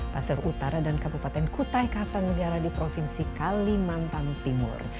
pasir utara dan kabupaten kutai kartanegara di provinsi kalimantan timur